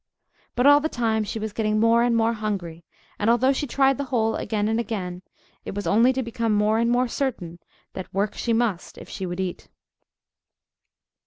But all the time she was getting more and more hungry and, although she tried the hole again and again, it was only to become more and more certain that work she must if she would eat.